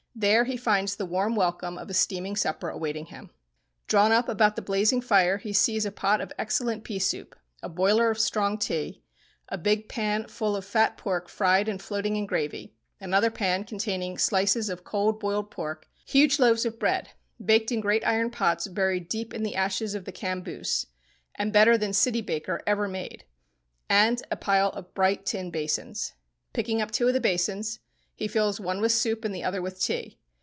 There he finds the warm welcome of a steaming supper awaiting him. Drawn up about the blazing fire he sees a pot of excellent pea soup, a boiler of strong tea, a big pan full of fat pork fried and floating in gravy, another pan containing slices of cold boiled pork, huge loaves of bread baked in great iron pots buried deep in the ashes of the "camboose"—and better than city baker ever made—and a pile of bright tin basins. Picking up two of the basins, he fills one with soup and the other with tea.